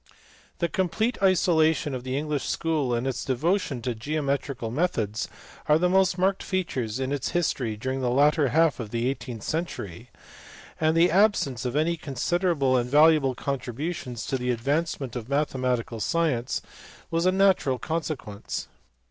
The complete isolation of the English school and its devotion to geometrical methods are the most marked features in its history during the latter half of the eighteenth century ; and the absence of any considerable and valuable contribution IVORY. THE CAMBRIDGE ANALYTICAL SCHOOL. 445 to the advancement of mathematical science was a natural consequence.